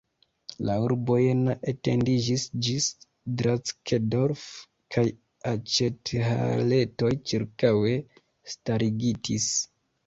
La urbo Jena etendiĝis ĝis Drackedorf kaj aĉethaletoj ĉirkaŭe starigitis.